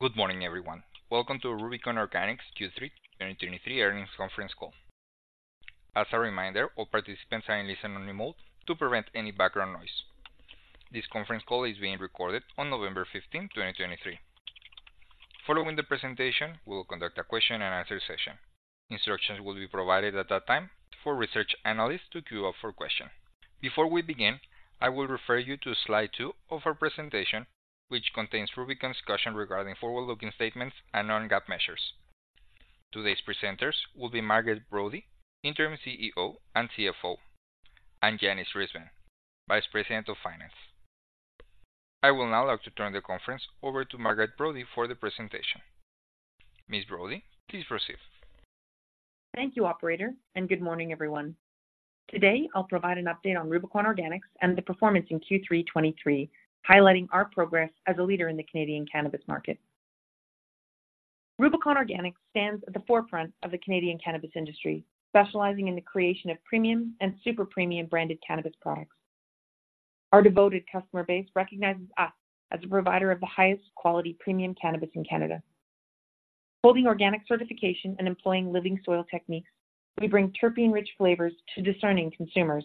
Good morning, everyone. Welcome to Rubicon Organics Q3 2023 Earnings Conference Call. As a reminder, all participants are in listen-only mode to prevent any background noise. This conference call is being recorded on November 15th, 2023. Following the presentation, we will conduct a question-and-answer session. Instructions will be provided at that time for research analysts to queue up for question. Before we begin, I will refer you to Slide two of our presentation, which contains Rubicon's discussion regarding forward-looking statements and non-GAAP measures. Today's presenters will be Margaret Brodie, Interim CEO and CFO, and Janis Risbin, Vice President of Finance. I will now like to turn the conference over to Margaret Brodie for the presentation. Ms. Brodie, please proceed. Thank you, operator, and good morning, everyone. Today, I'll provide an update on Rubicon Organics and the performance in Q3 2023, highlighting our progress as a leader in the Canadian cannabis market. Rubicon Organics stands at the forefront of the Canadian cannabis industry, specializing in the creation of premium and super premium branded cannabis products. Our devoted customer base recognizes us as a provider of the highest quality premium cannabis in Canada. Holding organic certification and employing living soil techniques, we bring terpene-rich flavors to discerning consumers.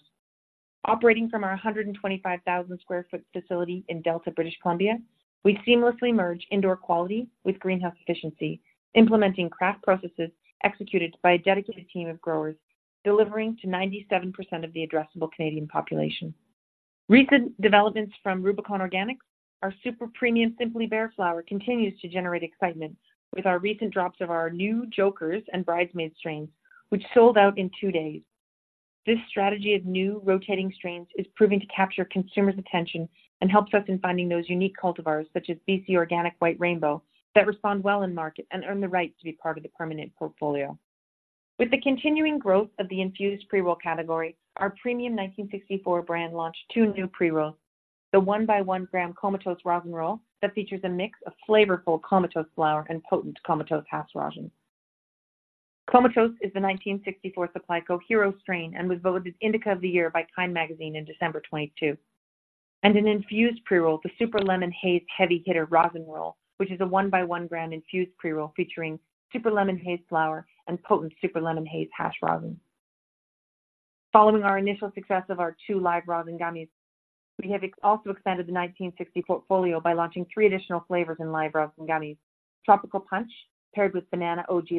Operating from our 125,000 sq ft facility in Delta, British Columbia, we seamlessly merge indoor quality with greenhouse efficiency, implementing craft processes executed by a dedicated team of growers, delivering to 97% of the addressable Canadian population. Recent developments from Rubicon Organics, our super premium Simply Bare Organic flower continues to generate excitement with our recent drops of our new Jokerz and Bridesmaid strains, which sold out in two days. This strategy of new rotating strains is proving to capture consumers' attention and helps us in finding those unique cultivars, such as BC Organic White Rainbow, that respond well in market and earn the right to be part of the permanent portfolio. With the continuing growth of the infused pre-roll category, our premium 1964 brand launched two new pre-rolls. The 1-by-1 gram Comatose rosin roll that features a mix of flavorful Comatose flower and potent Comatose hash rosin. Comatose is the 1964 Supply Co hero strain and was voted Indica of the Year by Kind Magazine in December 2022. And an infused pre-roll, the Super Lemon Haze Heavy Hitter rosin roll, which is a 1-by-1 gram infused pre-roll featuring Super Lemon Haze flower and potent Super Lemon Haze hash rosin. Following our initial success of our two live rosin gummies, we have also expanded the 1964 portfolio by launching three additional flavors in live rosin gummies. Tropical Punch, paired with Banana OG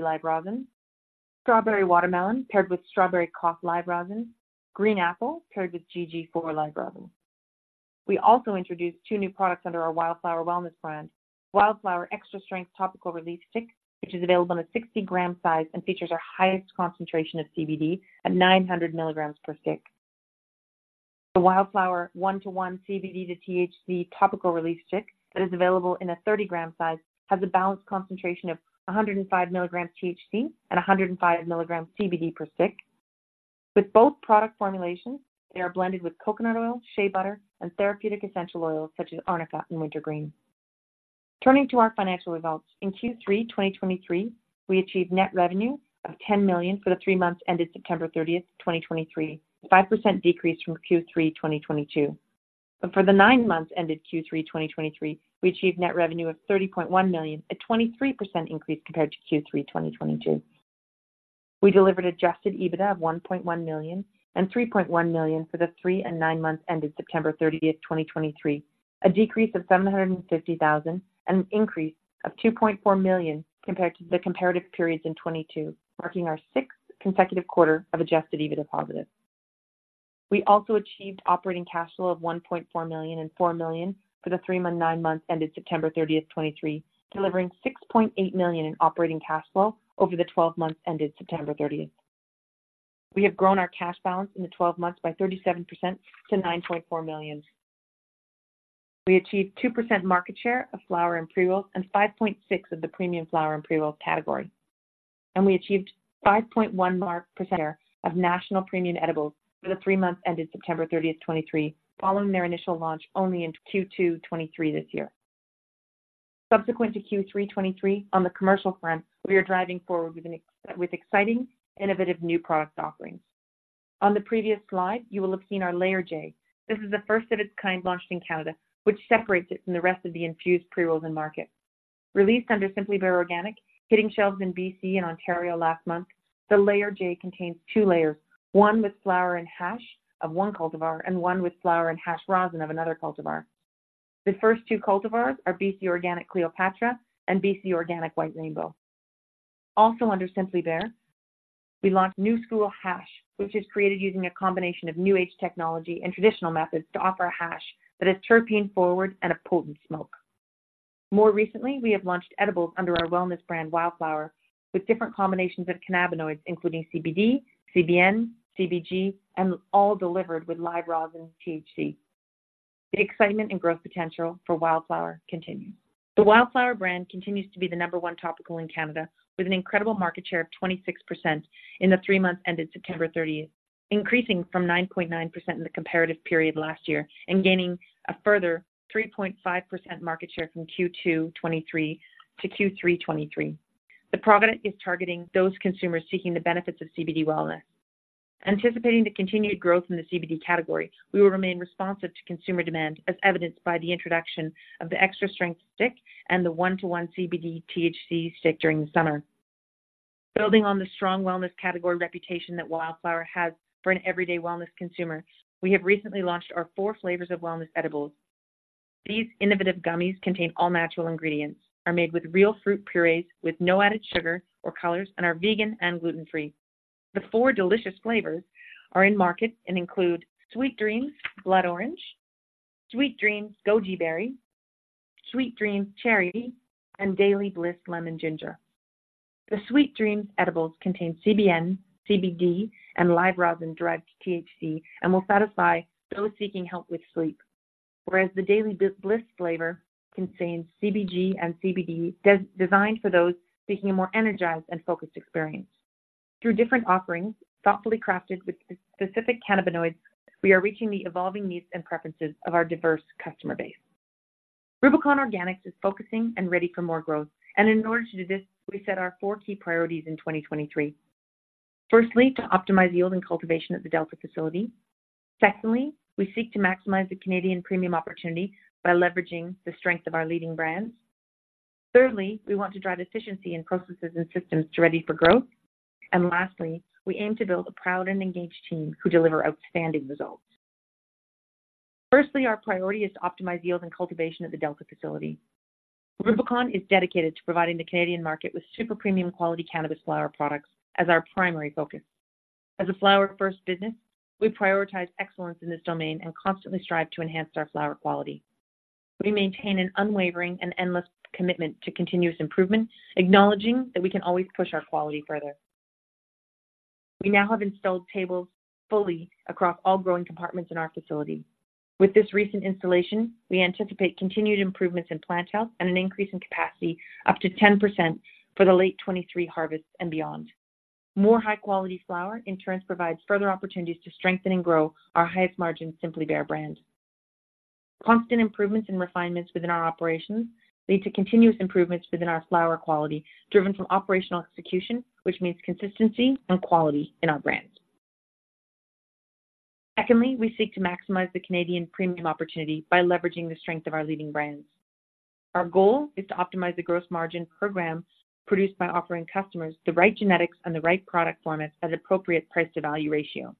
live rosin, Strawberry Watermelon, paired with Strawberry Cough live rosin, Green Apple, paired with GG4 live rosin. We also introduced two new products under our Wildflower Wellness brand. Wildflower Extra Strength Topical Relief Stick, which is available in a 60-gram size and features our highest concentration of CBD at 900 milligrams per stick. The Wildflower 1:1 CBD to THC Topical Relief Stick, that is available in a 30-gram size, has a balanced concentration of 105 milligrams THC and 105 milligrams CBD per stick. With both product formulations, they are blended with coconut oil, shea butter, and therapeutic essential oils such as arnica and wintergreen. Turning to our financial results, in Q3 2023, we achieved net revenue of 10 million for the three months ended September 30, 2023, a 5% decrease from Q3 2022. For the nine months ended Q3 2023, we achieved net revenue of 30.1 million, a 23% increase compared to Q3 2022. We delivered Adjusted EBITDA of 1.1 million and 3.1 million for the three and nine months ended September 30, 2023, a decrease of 750,000 and an increase of 2.4 million compared to the comparative periods in 2022, marking our sixth consecutive quarter of Adjusted EBITDA positive. We also achieved operating cash flow of 1.4 million and 4 million for the three-month, nine months ended September 30, 2023, delivering 6.8 million in operating cash flow over the twelve months ended September 30. We have grown our cash balance in the twelve months by 37% to 9.4 million. We achieved 2% market share of flower and pre-rolls, and 5.6% of the premium flower and pre-rolls category. We achieved 5.1% market share of national premium edibles for the three months ended September 30, 2023, following their initial launch only in Q2 2023 this year. Subsequent to Q3 2023, on the commercial front, we are driving forward with exciting, innovative new product offerings. On the previous slide, you will have seen our Layer J. This is the first of its kind launched in Canada, which separates it from the rest of the infused pre-rolls in the market. Released under Simply Bare Organic, hitting shelves in BC and Ontario last month, the Layer J contains two layers, one with flower and hash of one cultivar and one with flower and hash rosin of another cultivar. The first two cultivars are BC Organic Cleopatra and BC Organic White Rainbow. Also under Simply Bare, we launched New School Hash, which is created using a combination of new-age technology and traditional methods to offer a hash that is terpene forward and a potent smoke. More recently, we have launched edibles under our wellness brand, Wildflower, with different combinations of cannabinoids, including CBD, CBN, CBG, and all delivered with live rosin THC. The excitement and growth potential for Wildflower continues. The Wildflower brand continues to be the number one topical in Canada, with an incredible market share of 26% in the three months ended September 30, increasing from 9.9% in the comparative period last year and gaining a further 3.5% market share from Q2 2023 to Q3 2023. The product is targeting those consumers seeking the benefits of CBD wellness. Anticipating the continued growth in the CBD category, we will remain responsive to consumer demand, as evidenced by the introduction of the extra strength stick and the 1:1 CBD THC stick during the summer. Building on the strong wellness category reputation that Wildflower has for an everyday wellness consumer, we have recently launched our four flavors of wellness edibles. These innovative gummies contain all-natural ingredients, are made with real fruit purees, with no added sugar or colors, and are vegan and gluten-free. The four delicious flavors are in market and include Sweet Dreams Blood Orange, Sweet Dreams Goji Berry, Sweet Dreams Cherry, and Daily Bliss Lemon Ginger. The Sweet Dreams edibles contain CBN, CBD, and live rosin-derived THC and will satisfy those seeking help with sleep, whereas the Daily Bliss flavor contains CBG and CBD, designed for those seeking a more energized and focused experience. Through different offerings, thoughtfully crafted with specific cannabinoids, we are reaching the evolving needs and preferences of our diverse customer base. Rubicon Organics is focusing and ready for more growth, and in order to do this, we set our four key priorities in 2023. Firstly, to optimize yield and cultivation at the Delta facility. Secondly, we seek to maximize the Canadian premium opportunity by leveraging the strength of our leading brands. Thirdly, we want to drive efficiency in processes and systems to ready for growth. And lastly, we aim to build a proud and engaged team who deliver outstanding results. Firstly, our priority is to optimize yield and cultivation at the Delta facility. Rubicon is dedicated to providing the Canadian market with super premium quality cannabis flower products as our primary focus. As a flower-first business, we prioritize excellence in this domain and constantly strive to enhance our flower quality. We maintain an unwavering and endless commitment to continuous improvement, acknowledging that we can always push our quality further. We now have installed tables fully across all growing compartments in our facility. With this recent installation, we anticipate continued improvements in plant health and an increase in capacity up to 10% for the late 2023 harvests and beyond. More high-quality flower in turn provides further opportunities to strengthen and grow our highest margin Simply Bare brand. Constant improvements and refinements within our operations lead to continuous improvements within our flower quality, driven from operational execution, which means consistency and quality in our brands. Secondly, we seek to maximize the Canadian premium opportunity by leveraging the strength of our leading brands. Our goal is to optimize the gross margin per gram produced by offering customers the right genetics and the right product formats at an appropriate price to value ratio.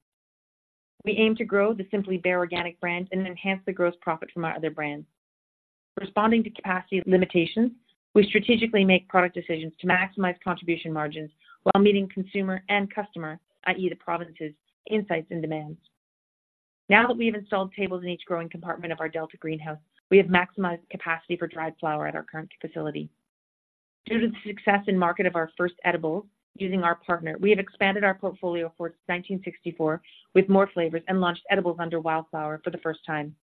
We aim to grow the Simply Bare Organic brand and enhance the gross profit from our other brands. Responding to capacity limitations, we strategically make product decisions to maximize contribution margins while meeting consumer and customer, i.e., the provinces, insights and demands. Now that we have installed tables in each growing compartment of our Delta greenhouse, we have maximized capacity for dried flower at our current facility. Due to the success and market of our first edibles using our partner, we have expanded our portfolio for 1964 with more flavors and launched edibles under Wildflower for the first time.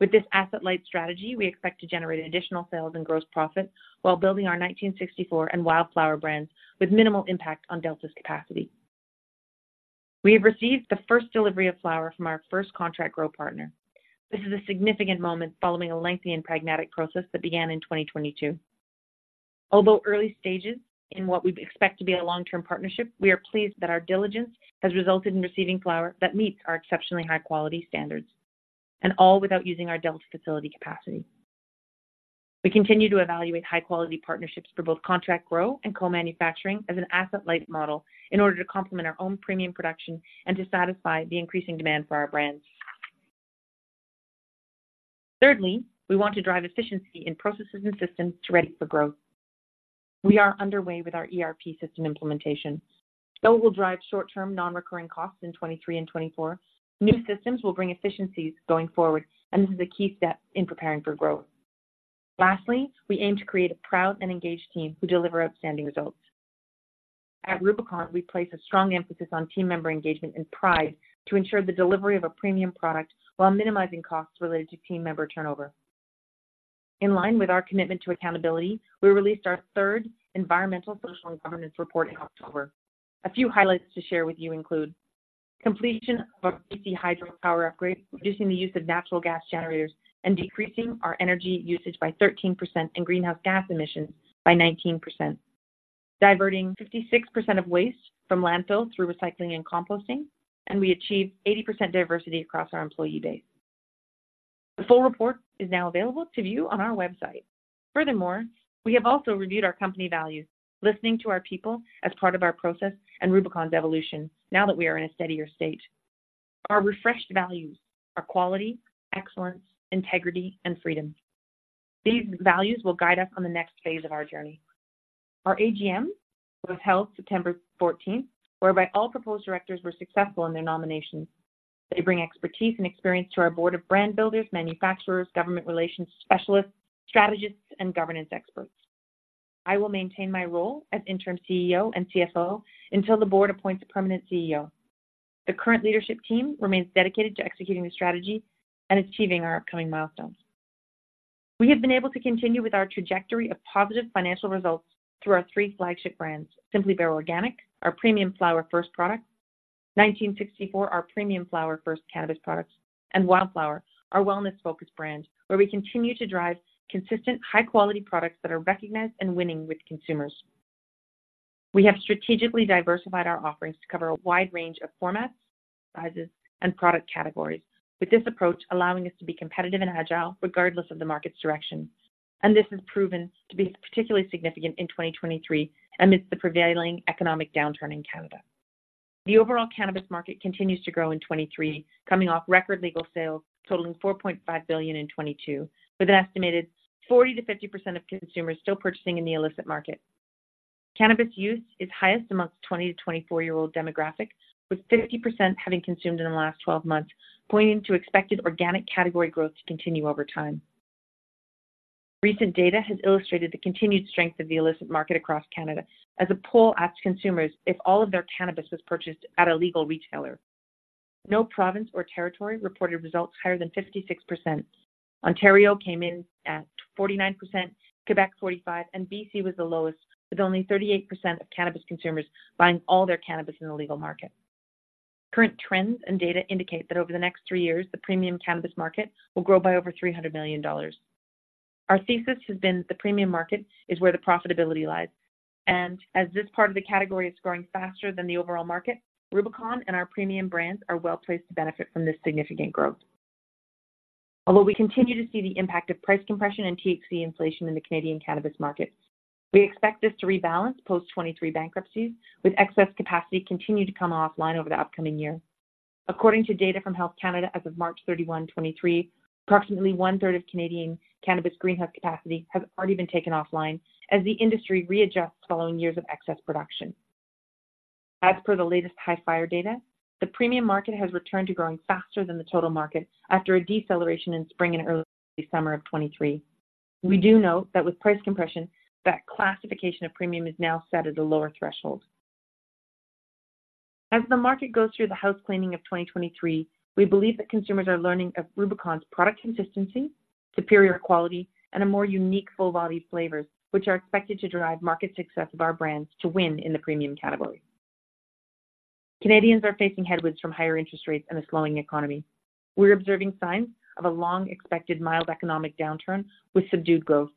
With this asset-light strategy, we expect to generate additional sales and gross profit while building our 1964 and Wildflower brands with minimal impact on Delta's capacity. We have received the first delivery of flower from our first contract grow partner. This is a significant moment following a lengthy and pragmatic process that began in 2022. Although early stages in what we expect to be a long-term partnership, we are pleased that our diligence has resulted in receiving flower that meets our exceptionally high-quality standards, and all without using our Delta facility capacity. We continue to evaluate high-quality partnerships for both contract grow and co-manufacturing as an asset-light model in order to complement our own premium production and to satisfy the increasing demand for our brands. Thirdly, we want to drive efficiency in processes and systems to ready for growth. We are underway with our ERP system implementation. Though it will drive short-term non-recurring costs in 2023 and 2024, new systems will bring efficiencies going forward, and this is a key step in preparing for growth. Lastly, we aim to create a proud and engaged team who deliver outstanding results. At Rubicon, we place a strong emphasis on team member engagement and pride to ensure the delivery of a premium product while minimizing costs related to team member turnover. In line with our commitment to accountability, we released our third environmental, social, and governance report in October. A few highlights to share with you include: completion of our BC hydropower upgrade, reducing the use of natural gas generators and decreasing our energy usage by 13% and greenhouse gas emissions by 19%, diverting 56% of waste from landfills through recycling and composting, and we achieved 80% diversity across our employee base. The full report is now available to view on our website. Furthermore, we have also reviewed our company values, listening to our people as part of our process and Rubicon's evolution now that we are in a steadier state. Our refreshed values are quality, excellence, integrity, and freedom. These values will guide us on the next phase of our journey. Our AGM was held September fourteenth, whereby all proposed directors were successful in their nominations. They bring expertise and experience to our board of brand builders, manufacturers, government relations specialists, strategists, and governance experts. I will maintain my role as Interim CEO and CFO until the board appoints a permanent CEO. The current leadership team remains dedicated to executing the strategy and achieving our upcoming milestones. We have been able to continue with our trajectory of positive financial results through our three flagship brands, Simply Bare Organic, our premium flower first product, 1964, our premium flower first cannabis products, and Wildflower, our wellness-focused brand, where we continue to drive consistent, high-quality products that are recognized and winning with consumers. We have strategically diversified our offerings to cover a wide range of formats, sizes, and product categories, with this approach allowing us to be competitive and agile regardless of the market's direction. This has proven to be particularly significant in 2023 amidst the prevailing economic downturn in Canada. The overall cannabis market continues to grow in 2023, coming off record legal sales totaling 4.5 billion in 2022, with an estimated 40%-50% of consumers still purchasing in the illicit market. Cannabis use is highest among 20 to 24-year-old demographics, with 50% having consumed in the last 12 months, pointing to expected organic category growth to continue over time. Recent data has illustrated the continued strength of the illicit market across Canada, as a poll asked consumers if all of their cannabis was purchased at a legal retailer. No province or territory reported results higher than 56%. Ontario came in at 49%, Quebec 45%, and B.C. was the lowest, with only 38% of cannabis consumers buying all their cannabis in the legal market. Current trends and data indicate that over the next 3 years, the premium cannabis market will grow by over 300 million dollars. Our thesis has been the premium market is where the profitability lies, and as this part of the category is growing faster than the overall market, Rubicon and our premium brands are well-placed to benefit from this significant growth. Although we continue to see the impact of price compression and THC inflation in the Canadian cannabis market, we expect this to rebalance post-2023 bankruptcies, with excess capacity continuing to come offline over the upcoming year. According to data from Health Canada, as of March 31, 2023, approximately one-third of Canadian cannabis greenhouse capacity has already been taken offline as the industry readjusts following years of excess production. As per the latest Hifyre data, the premium market has returned to growing faster than the total market after a deceleration in spring and early summer of 2023. We do note that with price compression, that classification of premium is now set at a lower threshold. As the market goes through the house cleaning of 2023, we believe that consumers are learning of Rubicon's product consistency, superior quality, and a more unique full-body flavors, which are expected to drive market success of our brands to win in the premium category. Canadians are facing headwinds from higher interest rates and a slowing economy. We're observing signs of a long-expected mild economic downturn with subdued growth.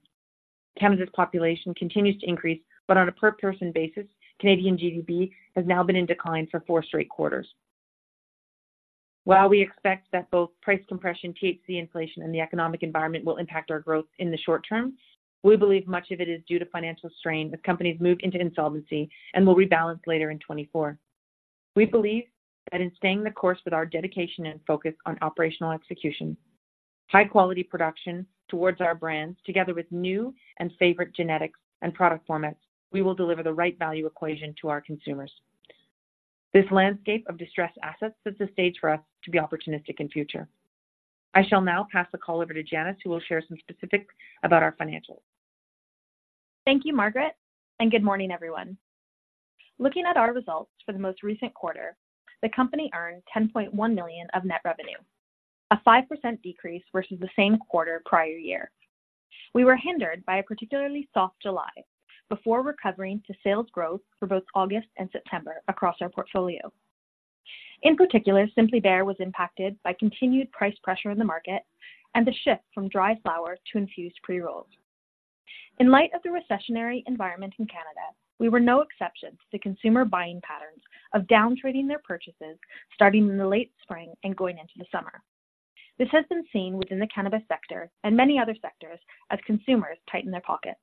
Canada's population continues to increase, but on a per person basis, Canadian GDP has now been in decline for four straight quarters. While we expect that both price compression, THC inflation, and the economic environment will impact our growth in the short term, we believe much of it is due to financial strain as companies move into insolvency and will rebalance later in 2024. We believe that in staying the course with our dedication and focus on operational execution, high quality production towards our brands, together with new and favorite genetics and product formats, we will deliver the right value equation to our consumers. This landscape of distressed assets sets the stage for us to be opportunistic in future. I shall now pass the call over to Janis, who will share some specifics about our financials. Thank you, Margaret, and good morning, everyone. Looking at our results for the most recent quarter, the company earned 10.1 million of net revenue, a 5% decrease versus the same quarter prior year. We were hindered by a particularly soft July before recovering to sales growth for both August and September across our portfolio. In particular, Simply Bare was impacted by continued price pressure in the market and the shift from dry flower to infused pre-rolls. In light of the recessionary environment in Canada, we were no exception to consumer buying patterns of downtrading their purchases starting in the late spring and going into the summer. This has been seen within the cannabis sector and many other sectors as consumers tighten their pockets.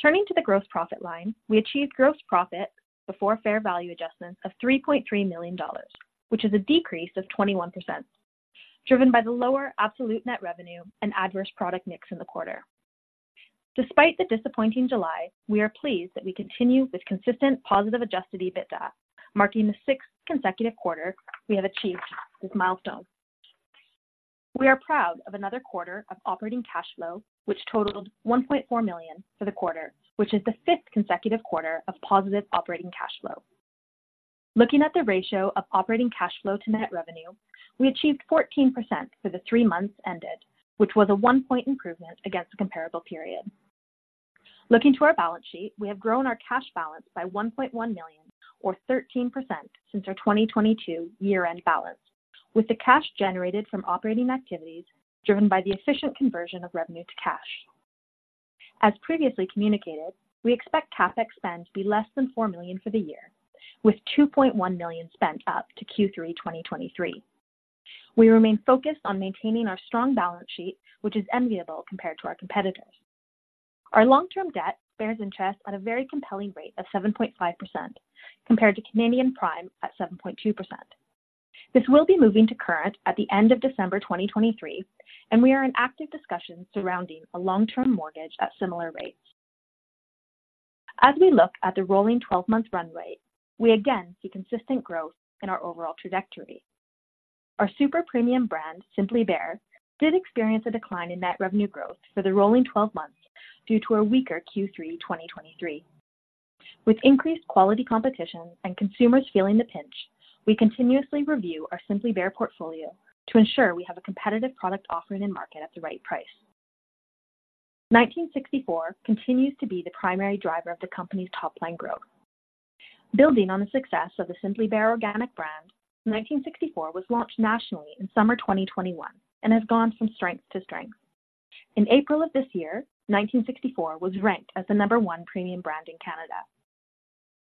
Turning to the gross profit line, we achieved gross profit before fair value adjustments of 3.3 million dollars, which is a decrease of 21%, driven by the lower absolute net revenue and adverse product mix in the quarter. Despite the disappointing July, we are pleased that we continue with consistent positive Adjusted EBITDA, marking the sixth consecutive quarter we have achieved this milestone. We are proud of another quarter of operating cash flow, which totaled 1.4 million for the quarter, which is the fifth consecutive quarter of positive operating cash flow. Looking at the ratio of operating cash flow to net revenue, we achieved 14% for the three months ended, which was a 1-point improvement against the comparable period. Looking to our balance sheet, we have grown our cash balance by 1.1 million, or 13%, since our 2022 year-end balance, with the cash generated from operating activities driven by the efficient conversion of revenue to cash. As previously communicated, we expect CapEx spend to be less than 4 million for the year, with 2.1 million spent up to Q3 2023. We remain focused on maintaining our strong balance sheet, which is enviable compared to our competitors. Our long-term debt bears interest at a very compelling rate of 7.5%, compared to Canadian Prime at 7.2%. This will be moving to current at the end of December 2023, and we are in active discussions surrounding a long-term mortgage at similar rates. As we look at the rolling-12-month runway, we again see consistent growth in our overall trajectory. Our super premium brand, Simply Bare, did experience a decline in net revenue growth for the rolling twelve months due to a weaker Q3 2023. With increased quality competition and consumers feeling the pinch, we continuously review our Simply Bare portfolio to ensure we have a competitive product offering in market at the right price. 1964 continues to be the primary driver of the company's top-line growth.... Building on the success of the Simply Bare Organic brand, 1964 was launched nationally in summer 2021 and has gone from strength to strength. In April of this year, 1964 was ranked as the number one premium brand in Canada.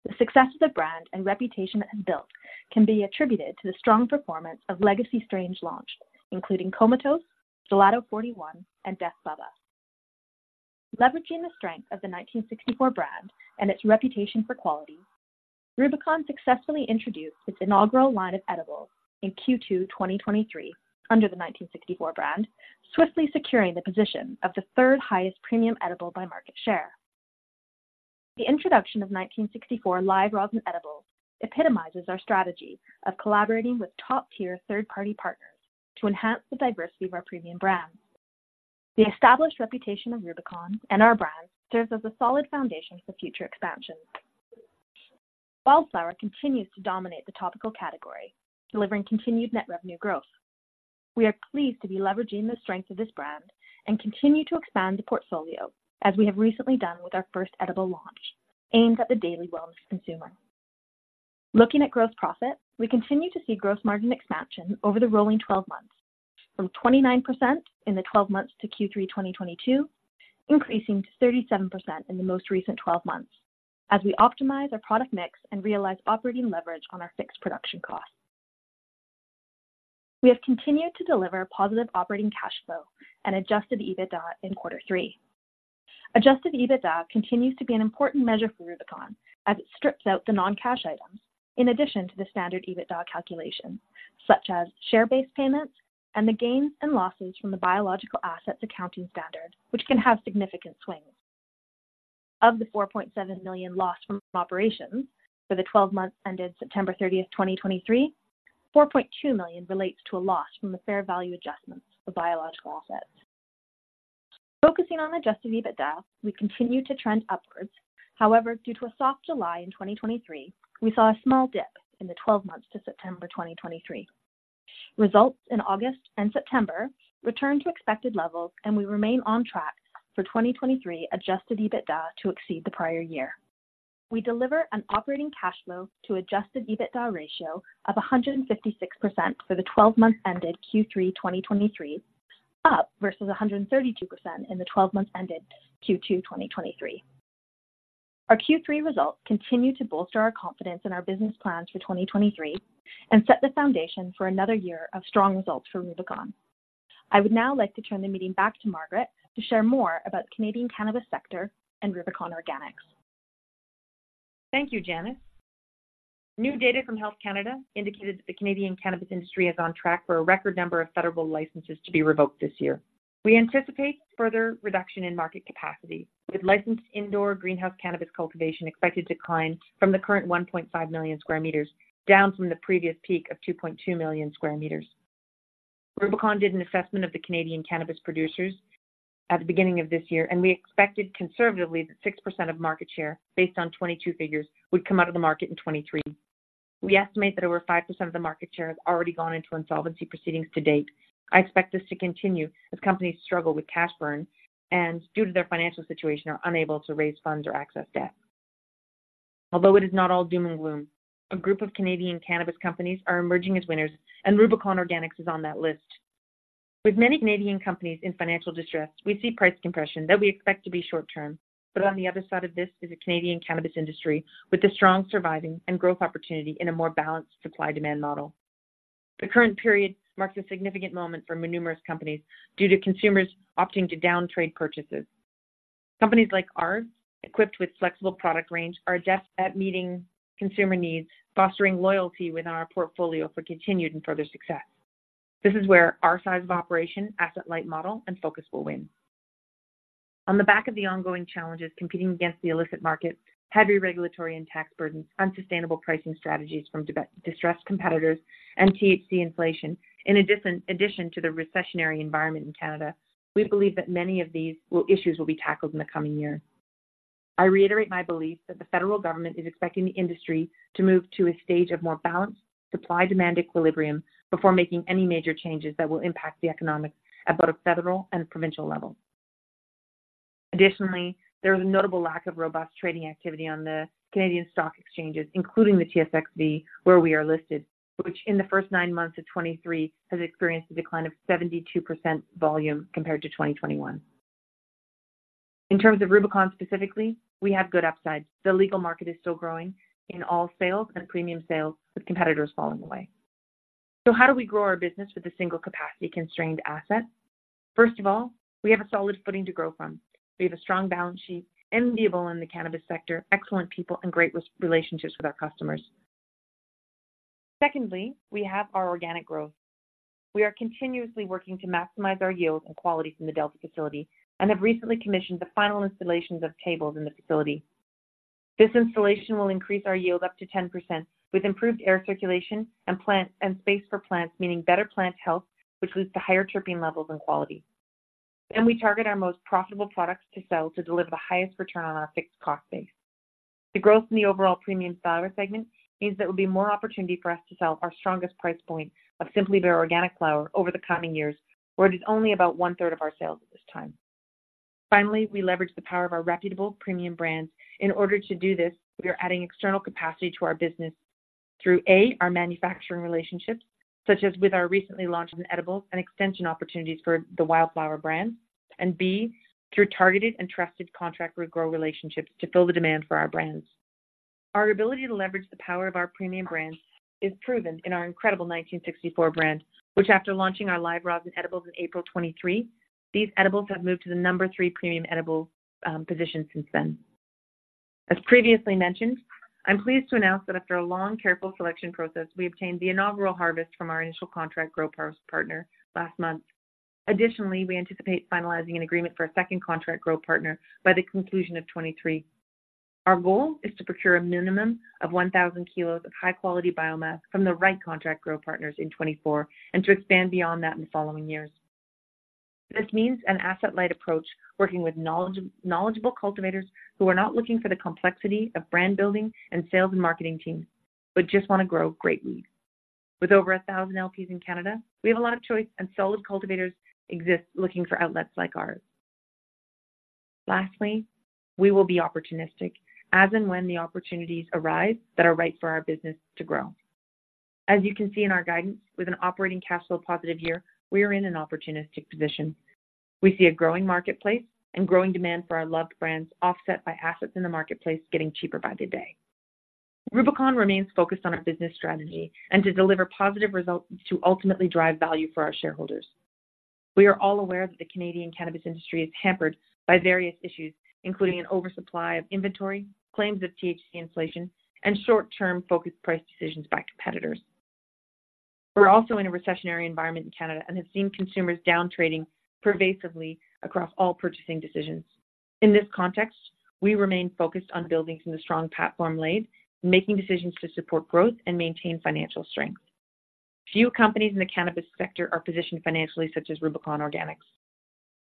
The success of the brand and reputation it has built can be attributed to the strong performance of legacy strains launch, including Comatose, Gelato #41, and Death Bubba. Leveraging the strength of the 1964 brand and its reputation for quality, Rubicon successfully introduced its inaugural line of edibles in Q2 2023 under the 1964 brand, swiftly securing the position of the third highest premium edible by market share. The introduction of 1964 live rosin edibles epitomizes our strategy of collaborating with top-tier third-party partners to enhance the diversity of our premium brands. The established reputation of Rubicon and our brands serves as a solid foundation for future expansions. Wildflower continues to dominate the topical category, delivering continued net revenue growth. We are pleased to be leveraging the strength of this brand and continue to expand the portfolio, as we have recently done with our first edible launch, aimed at the daily wellness consumer. Looking at gross profit, we continue to see gross margin expansion over the rolling twelve months, from 29% in the twelve months to Q3 2022, increasing to 37% in the most recent twelve months, as we optimize our product mix and realize operating leverage on our fixed production costs. We have continued to deliver positive operating cash flow and Adjusted EBITDA in quarter three. Adjusted EBITDA continues to be an important measure for Rubicon as it strips out the non-cash items in addition to the standard EBITDA calculation, such as share-based payments and the gains and losses from the biological assets accounting standard, which can have significant swings. Of the 4.7 million loss from operations for the twelve months ended September 30th, 2023, 4.2 million relates to a loss from the fair value adjustments for biological assets. Focusing on Adjusted EBITDA, we continue to trend upwards. However, due to a soft July in 2023, we saw a small dip in the 12 months to September 2023. Results in August and September returned to expected levels, and we remain on track for 2023 Adjusted EBITDA to exceed the prior year. We deliver an operating cash flow to Adjusted EBITDA ratio of 156% for the 12 months ended Q3 2023, up versus 132% in the 12 months ended Q2 2023. Our Q3 results continue to bolster our confidence in our business plans for 2023 and set the foundation for another year of strong results for Rubicon. I would now like to turn the meeting back to Margaret to share more about the Canadian cannabis sector and Rubicon Organics. Thank you, Janis. New data from Health Canada indicated that the Canadian cannabis industry is on track for a record number of federal licenses to be revoked this year. We anticipate further reduction in market capacity, with licensed indoor greenhouse cannabis cultivation expected to decline from the current 1.5 million square meters, down from the previous peak of 2.2 million square meters. Rubicon did an assessment of the Canadian cannabis producers at the beginning of this year, and we expected conservatively that 6% of market share, based on 2022 figures, would come out of the market in 2023. We estimate that over 5% of the market share has already gone into insolvency proceedings to date. I expect this to continue as companies struggle with cash burn and, due to their financial situation, are unable to raise funds or access debt. Although it is not all doom and gloom, a group of Canadian cannabis companies are emerging as winners, and Rubicon Organics is on that list. With many Canadian companies in financial distress, we see price compression that we expect to be short-term. But on the other side of this is a Canadian cannabis industry with a strong surviving and growth opportunity in a more balanced supply-demand model. The current period marks a significant moment for numerous companies due to consumers opting to down-trade purchases. Companies like ours, equipped with flexible product range, are adept at meeting consumer needs, fostering loyalty within our portfolio for continued and further success. This is where our size of operation, asset-light model, and focus will win. On the back of the ongoing challenges competing against the illicit market, heavy regulatory and tax burdens, unsustainable pricing strategies from distressed competitors, and THC inflation, in addition to the recessionary environment in Canada, we believe that many of these issues will be tackled in the coming year. I reiterate my belief that the federal government is expecting the industry to move to a stage of more balanced supply-demand equilibrium before making any major changes that will impact the economics at both a federal and provincial level. Additionally, there is a notable lack of robust trading activity on the Canadian stock exchanges, including the TSXV, where we are listed, which in the first nine months of 2023 has experienced a decline of 72% volume compared to 2021. In terms of Rubicon specifically, we have good upsides. The legal market is still growing in all sales and premium sales, with competitors falling away. So how do we grow our business with a single capacity-constrained asset? First of all, we have a solid footing to grow from. We have a strong balance sheet, enviable in the cannabis sector, excellent people, and great relationships with our customers. Secondly, we have our organic growth. We are continuously working to maximize our yield and quality from the Delta facility and have recently commissioned the final installations of tables in the facility. This installation will increase our yield up to 10%, with improved air circulation and plant and space for plants, meaning better plant health, which leads to higher terpene levels and quality. Then we target our most profitable products to sell to deliver the highest return on our fixed cost base. The growth in the overall premium flower segment means there will be more opportunity for us to sell our strongest price point of Simply Bare Organic flower over the coming years, where it is only about one-third of our sales at this time. Finally, we leverage the power of our reputable premium brands. In order to do this, we are adding external capacity to our business through, A, our manufacturing relationships, such as with our recently launched in edibles and extension opportunities for the Wildflower brand, and B, through targeted and trusted contract grow relationships to fill the demand for our brands. Our ability to leverage the power of our premium brands is proven in our incredible 1964 brand, which, after launching our live rosin edibles in April 2023, these edibles have moved to the number three premium edible position since then. As previously mentioned, I'm pleased to announce that after a long, careful selection process, we obtained the inaugural harvest from our initial contract grower partner last month. Additionally, we anticipate finalizing an agreement for a second contract grow partner by the conclusion of 2023. Our goal is to procure a minimum of 1,000 kilos of high-quality biomass from the right contract grow partners in 2024, and to expand beyond that in the following years. This means an asset-light approach, working with knowledgeable cultivators who are not looking for the complexity of brand building and sales and marketing teams, but just want to grow great weed. With over 1,000 LPs in Canada, we have a lot of choice, and solid cultivators exist looking for outlets like ours. Lastly, we will be opportunistic as and when the opportunities arise that are right for our business to grow. As you can see in our guidance, with an operating cash flow positive year, we are in an opportunistic position. We see a growing marketplace and growing demand for our loved brands, offset by assets in the marketplace getting cheaper by the day. Rubicon remains focused on our business strategy and to deliver positive results to ultimately drive value for our shareholders. We are all aware that the Canadian cannabis industry is hampered by various issues, including an oversupply of inventory, claims of THC inflation, and short-term focused price decisions by competitors. We're also in a recessionary environment in Canada and have seen consumers down trading pervasively across all purchasing decisions. In this context, we remain focused on building from the strong platform laid, making decisions to support growth and maintain financial strength. Few companies in the cannabis sector are positioned financially, such as Rubicon Organics.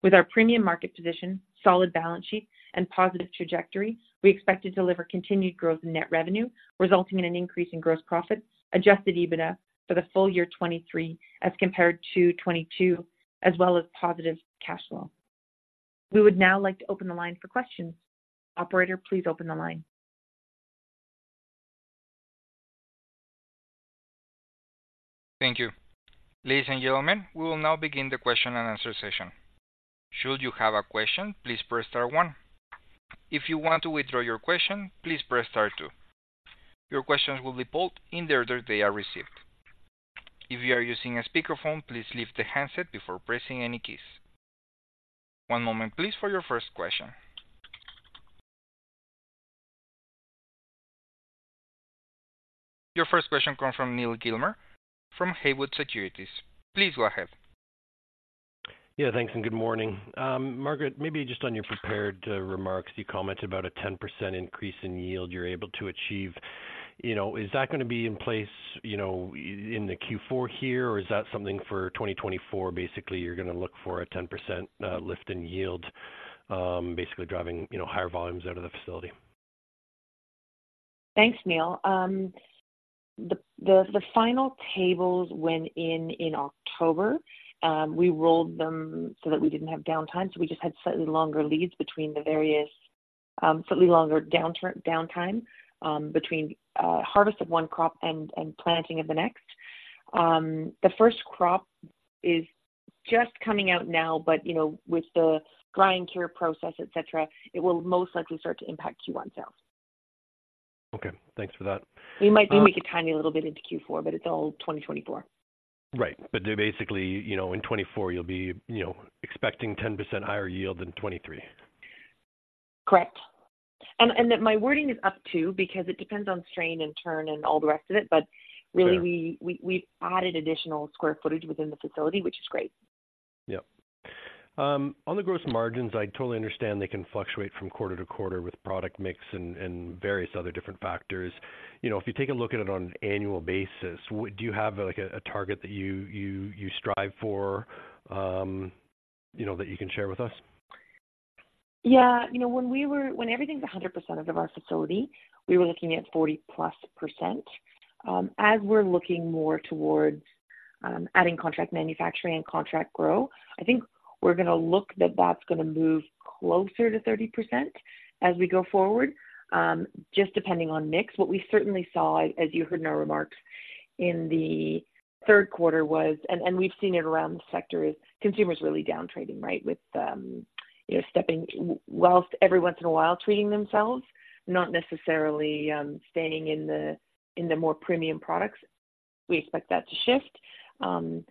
With our premium market position, solid balance sheet, and positive trajectory, we expect to deliver continued growth in net revenue, resulting in an increase in gross profits, Adjusted EBITDA for the full year 2023 as compared to 2022, as well as positive cash flow. We would now like to open the line for questions. Operator, please open the line. Thank you. Ladies and gentlemen, we will now begin the question and answer session. Should you have a question, please press star one. If you want to withdraw your question, please press star two. Your questions will be pulled in the order they are received. If you are using a speakerphone, please leave the handset before pressing any keys. One moment, please, for your first question. Your first question comes from Neal Gilmer, from Haywood Securities. Please go ahead. Yeah, thanks, and good morning. Margaret, maybe just on your prepared remarks, you commented about a 10% increase in yield you're able to achieve. You know, is that going to be in place, you know, in the Q4 here, or is that something for 2024? Basically, you're going to look for a 10% lift in yield, basically driving, you know, higher volumes out of the facility. Thanks, Neil. The final tables went in October. We rolled them so that we didn't have downtime, so we just had slightly longer leads between the various slightly longer downtime between harvest of one crop and planting of the next. The first crop is just coming out now, but you know, with the drying cure process, et cetera, it will most likely start to impact Q1 sales. Okay, thanks for that. We might make it tiny a little bit into Q4, but it's all 2024. Right. Basically, you know, in 2024 you'll be, you know, expecting 10% higher yield than 2023. Correct. And my wording is up to, because it depends on strain and turn and all the rest of it. Sure. But really, we've added additional square foot within the facility, which is great. Yep. On the gross margins, I totally understand they can fluctuate from quarter to quarter with product mix and various other different factors. You know, if you take a look at it on an annual basis, do you have, like a target that you strive for, you know, that you can share with us? Yeah. You know, when everything's 100% of our facility, we were looking at 40+%. As we're looking more towards adding contract manufacturing and contract grow, I think we're going to look that that's going to move closer to 30% as we go forward, just depending on mix. What we certainly saw, as you heard in our remarks in the third quarter, was, and we've seen it around the sector, is consumers really down trading, right? With stepping... Whilst every once in a while treating themselves, not necessarily staying in the more premium products. We expect that to shift.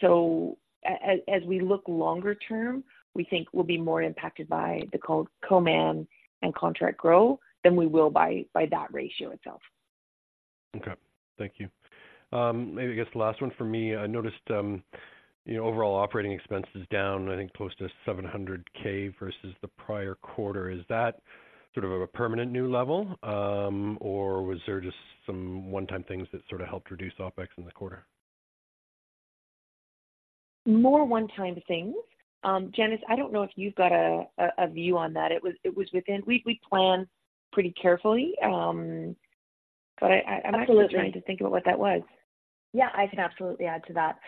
So as, as we look longer term, we think we'll be more impacted by the contract manufacturing and contract grow than we will by that ratio itself. Okay, thank you. Maybe I guess the last one for me. I noticed, you know, overall operating expenses down, I think, close to 700,000 versus the prior quarter. Is that sort of a permanent new level, or was there just some one-time things that sort of helped reduce OpEx in the quarter? More one-time things. Janis, I don't know if you've got a view on that. It was within... We plan pretty carefully... But I'm actually trying to think about what that was. Yeah, I can absolutely add to that.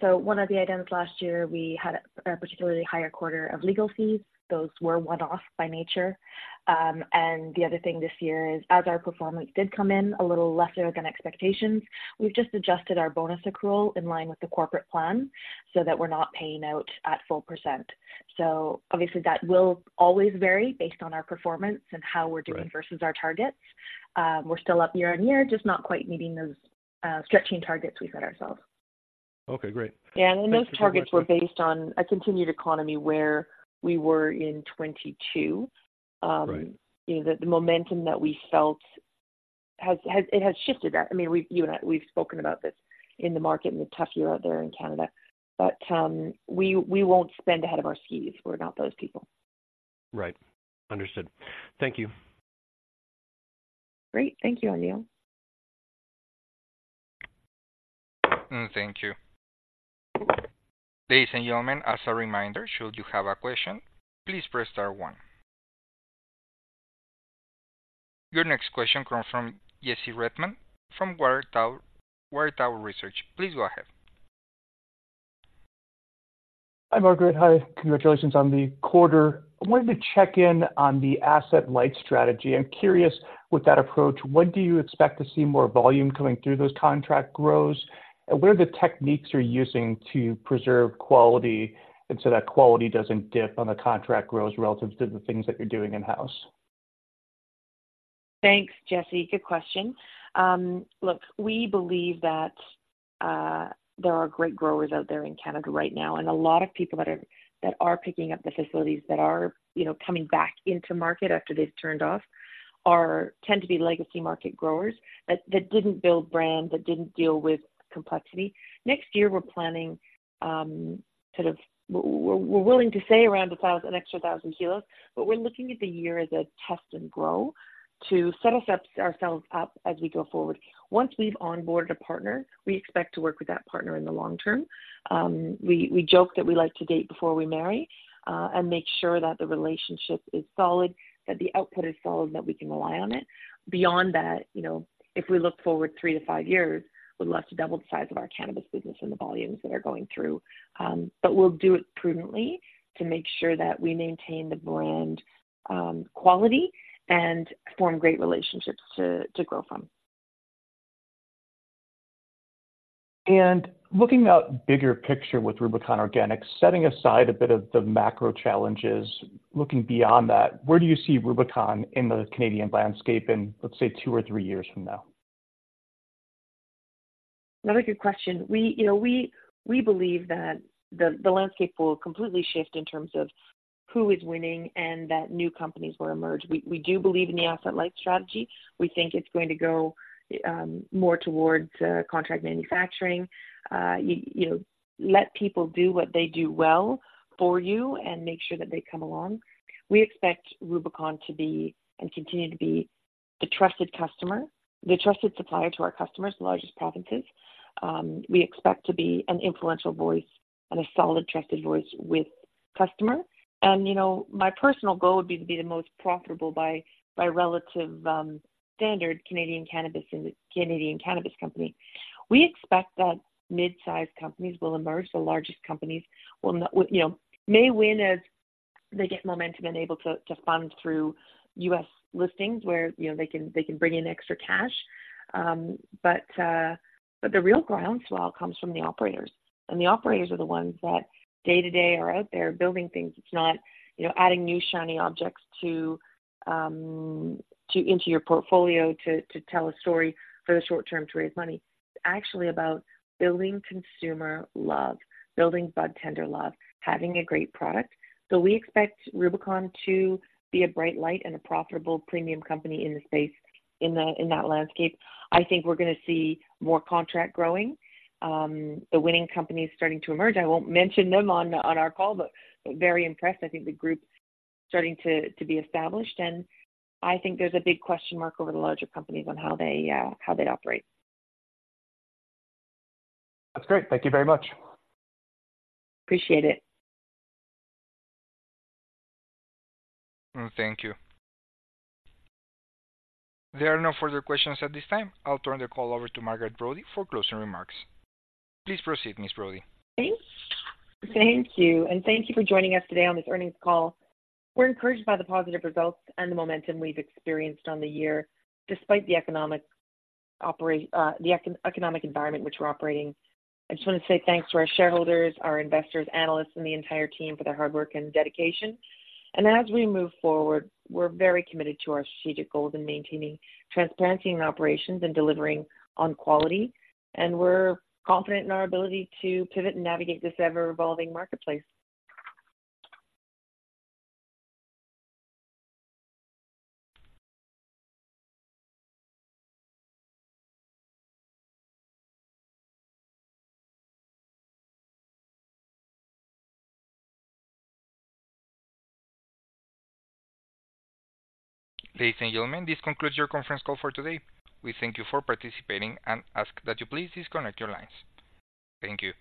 So one of the items last year, we had a particularly higher quarter of legal fees. Those were one-off by nature. And the other thing this year is, as our performance did come in a little lesser than expectations, we've just adjusted our bonus accrual in line with the corporate plan so that we're not paying out at full percent. So obviously, that will always vary based on our performance and how we're doing- Right. -versus our targets. We're still up year-over-year, just not quite meeting those, stretching targets we set ourselves. Okay, great. Yeah, and those targets were based on a continued economy where we were in 2022. Right. You know, the momentum that we felt has... It has shifted that. I mean, we've, you and I, we've spoken about this in the market and the tough year out there in Canada, but we won't spend ahead of our skis. We're not those people. Right. Understood. Thank you. Great. Thank you, Neal. Thank you. Ladies and gentlemen, as a reminder, should you have a question, please press star one. Your next question comes from Jesse Redmond from Water Tower Research. Please go ahead. Hi, Margaret. Hi, congratulations on the quarter. I wanted to check in on the asset light strategy. I'm curious, with that approach, when do you expect to see more volume coming through those contract grows? And what are the techniques you're using to preserve quality and so that quality doesn't dip on the contract grows relative to the things that you're doing in-house? Thanks, Jesse. Good question. Look, we believe that there are great growers out there in Canada right now, and a lot of people that are picking up the facilities that are, you know, coming back into market after they've turned off, tend to be legacy market growers that didn't build brand, that didn't deal with complexity. Next year, we're planning, kind of, we're willing to say around 1,000, an extra 1,000 kilos, but we're looking at the year as a test and grow to set ourselves up as we go forward. Once we've onboarded a partner, we expect to work with that partner in the long term. We joke that we like to date before we marry, and make sure that the relationship is solid, that the output is solid, and that we can rely on it. Beyond that, you know, if we look forward three to five years, we'd love to double the size of our cannabis business and the volumes that are going through. But we'll do it prudently to make sure that we maintain the brand quality and form great relationships to grow from. Looking out bigger picture with Rubicon Organics, setting aside a bit of the macro challenges, looking beyond that, where do you see Rubicon in the Canadian landscape in, let's say, two or three years from now? Another good question. We, you know, believe that the landscape will completely shift in terms of who is winning and that new companies will emerge. We do believe in the asset light strategy. We think it's going to go more towards contract manufacturing. You know, let people do what they do well for you and make sure that they come along. We expect Rubicon to be, and continue to be, the trusted customer, the trusted supplier to our customers, the largest provinces. We expect to be an influential voice and a solid, trusted voice with customer. And you know, my personal goal would be to be the most profitable by relative standard Canadian cannabis in the Canadian cannabis company. We expect that mid-size companies will emerge. The largest companies will not... You know, may win as they get momentum and able to fund through U.S. listings where, you know, they can bring in extra cash. But the real groundswell comes from the operators, and the operators are the ones that day-to-day are out there building things. It's not, you know, adding new, shiny objects to your portfolio to tell a story for the short term to raise money. It's actually about building consumer love, building budtender love, having a great product. So we expect Rubicon to be a bright light and a profitable premium company in the space in that landscape. I think we're going to see more contract growing, the winning companies starting to emerge. I won't mention them on our call, but very impressed. I think the group's starting to be established, and I think there's a big question mark over the larger companies on how they operate. That's great. Thank you very much. Appreciate it. Thank you. There are no further questions at this time. I'll turn the call over to Margaret Brodie for closing remarks. Please proceed, Ms. Brodie. Thanks. Thank you, and thank you for joining us today on this earnings call. We're encouraged by the positive results and the momentum we've experienced on the year, despite the economic environment which we're operating. I just want to say thanks to our shareholders, our investors, analysts, and the entire team for their hard work and dedication. As we move forward, we're very committed to our strategic goals and maintaining transparency in operations and delivering on quality, and we're confident in our ability to pivot and navigate this ever-evolving marketplace. Ladies and gentlemen, this concludes your conference call for today. We thank you for participating and ask that you please disconnect your lines. Thank you.